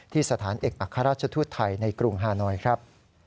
สถานเอกอัครราชทูตไทยในกรุงฮานอยครับ